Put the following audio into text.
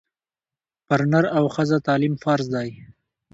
پر نر او ښځه تعلیم فرض دی